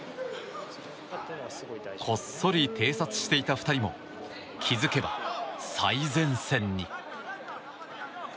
こっそり偵察していた２人も気づけば最前線に。